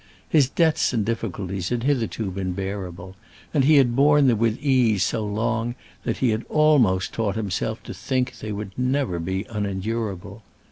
His debts and difficulties had hitherto been bearable, and he had borne them with ease so long that he had almost taught himself to think that they would never be unendurable.